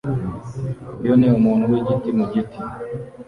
Uyu ni umuntu wigiti mu giti